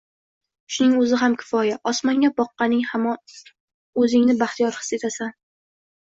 shuning o‘zi ham kifoya: osmonga boqqaning zamon o‘zingni baxtiyor his etasan.